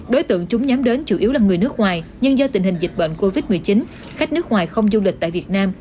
đối tượng chúng nhắm đến chủ yếu là người nước ngoài nhưng do tình hình dịch bệnh covid một mươi chín khách nước ngoài không du lịch tại việt nam